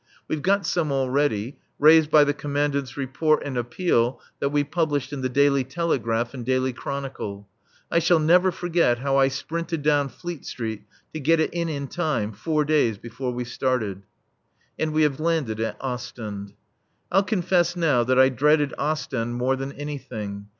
We've got some already, raised by the Commandant's Report and Appeal that we published in the Daily Telegraph and Daily Chronicle. I shall never forget how I sprinted down Fleet Street to get it in in time, four days before we started. And we have landed at Ostend. I'll confess now that I dreaded Ostend more than anything.